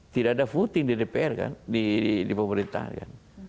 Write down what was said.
tidak ada voting di dpr kan di pemerintahan kan